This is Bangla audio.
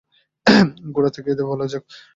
গোড়া থেকে বলা যাক।